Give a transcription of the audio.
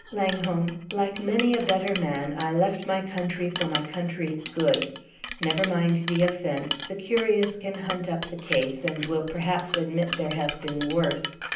Langholm, like many a better man, I left my country for my country's good. Never mind the offence; the curious can hunt up the case, and will perhaps admit there have been worse.